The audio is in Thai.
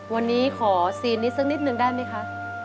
วันนี้ขอซีนนี้สักนิดนึงได้ไหมคะ